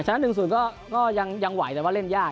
๑๐ก็ยังไหวแต่ว่าเล่นยาก